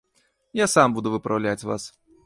Я сам буду выпраўляць вас.